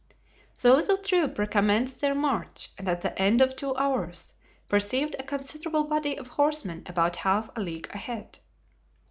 The little troop recommenced their march, and at the end of two hours perceived a considerable body of horsemen about half a league ahead.